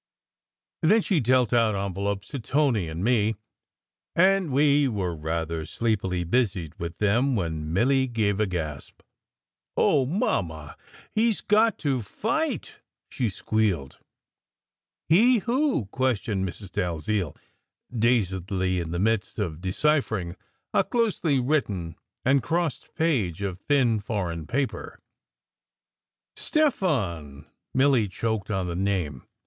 Then she dealt out envelopes to Tony SECRET HISTORY and me, and we were rather sleepily busied with them when Milly gave a gasp. " Oh, Mamma, he s got to fight !" she squealed. "He who?" questioned Mrs. Dalziel dazedly in the midst of deciphering a closely written and crossed page of thin foreign paper. " Stefan !" Milly choked on the name.